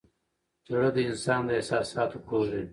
زړه د انسان د احساساتو کور دی.